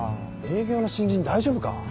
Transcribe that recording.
営業の新人大丈夫か？